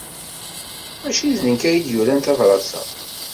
Maci d nekk ay d-yuran tabṛat-a.